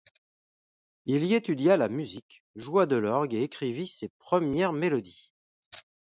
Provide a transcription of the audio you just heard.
Il y étudia la musique, joua de l'orgue et écrivit ses premières mélodies.